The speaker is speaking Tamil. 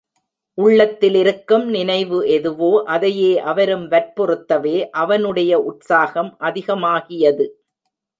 உள்ளத்திலிருக்கும் நினைவு எதுவோ அதையே அவரும் வற்புறுத்தவே அவனுடைய உற்சாகம் அதிகமாகியது.